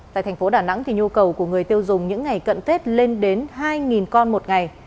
tại thành phố đà nẵng nhu cầu của người tiêu dùng những ngày cận tết lên đến hai con một ngày